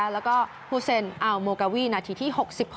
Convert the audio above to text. แล้วก็ฮูเซนอัลโมกาวีนาทีที่๖๖